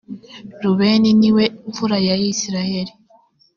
rubeni ni we mfura ya israheli.